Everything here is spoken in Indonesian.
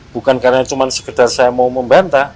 bukan karena cuma sekedar saya mau membantah